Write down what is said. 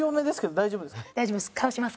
大丈夫です。